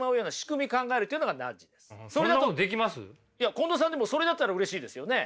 近藤さんでもそれだったらうれしいですよね。